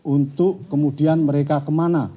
untuk kemudian mereka kemana